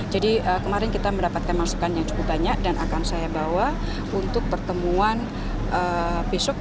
jadi kemarin kita mendapatkan masukan yang cukup banyak dan akan saya bawa untuk pertemuan besok